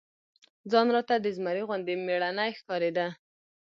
ځان راته د زمري غوندي مېړنى ښکارېده.